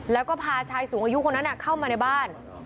แล้วก็พาชายสูงอายุคนนั้นเข้ามาในบ้าน